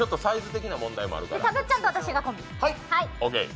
たぶっちゃんと私がコンビ。